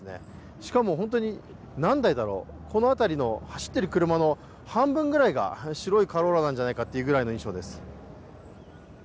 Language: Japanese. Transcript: しかも本当になんだろ、この辺りの走ってる車の半分ぐらいが白いカローラなんじゃないかっていうぐらいの印象です。